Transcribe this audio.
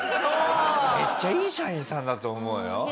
めっちゃいい社員さんだと思うよ。